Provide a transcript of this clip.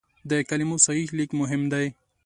د کلمو صحیح لیک مهم دی.